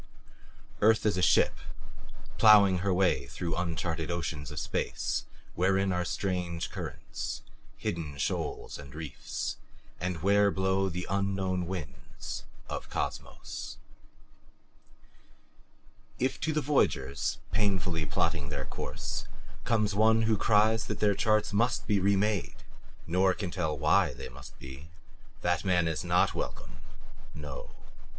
Earth is a ship, plowing her way through uncharted oceans of space wherein are strange currents, hidden shoals and reefs, and where blow the unknown winds of Cosmos. If to the voyagers, painfully plotting their course, comes one who cries that their charts must be remade, nor can tell WHY they must be that man is not welcome no!